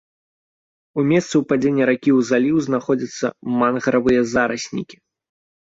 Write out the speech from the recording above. У месцы ўпадзення ракі ў заліў знаходзяцца мангравыя зараснікі.